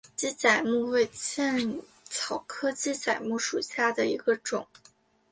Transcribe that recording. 鸡仔木为茜草科鸡仔木属下的一个种。